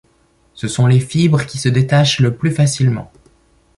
Ce sont les fibres qui se détachent le plus facilement.